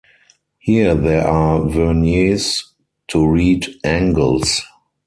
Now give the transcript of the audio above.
Here there are verniers to read angles.